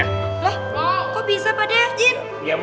kok bisa pak deh jin